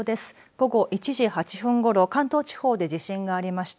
午後１時８分ごろ関東地方で地震がありました。